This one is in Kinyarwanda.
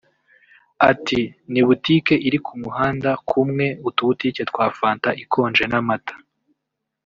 ati “Ni butike iri ku muhanda kumwe utubutike twa fanta ikonje n’amata